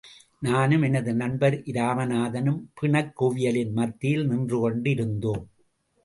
நானும் எனது நண்பர் இராமநாதனும் பிணக்குவியலின் மத்தியில் நின்று கொண்டு இருந்தோம்.